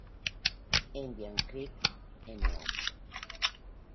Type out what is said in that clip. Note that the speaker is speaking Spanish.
Indian Creek No.